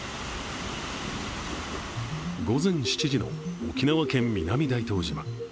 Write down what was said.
午前７時の沖縄県南大東島。